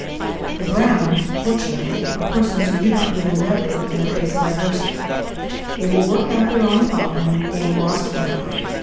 The Browns, fortunately, are persons who do not give in readily in the face of adversity. They will work out their own problem and regain lost ground.